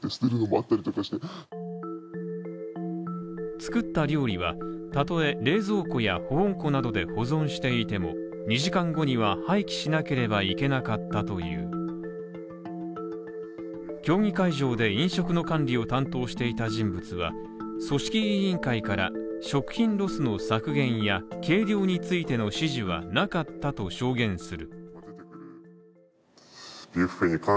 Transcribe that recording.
作った料理は、たとえ冷蔵庫や保温庫などで保存していても２時間後には廃棄しなければいけなかったという競技会場で飲食の管理を担当していた人物は組織委員会から食品ロスの削減や計量についての指示はなかったと証言する。